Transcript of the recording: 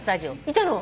いたの！？